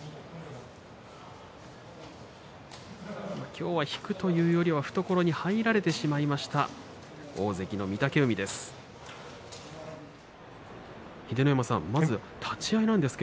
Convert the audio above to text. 今日は引くというよりも懐に入られてしまいました大関の御嶽海です。